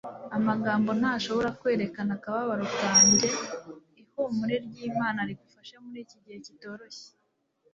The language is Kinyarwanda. amagambo ntashobora kwerekana akababaro kanjye ihumure ry'imana rigufashe muri iki gihe kitoroshye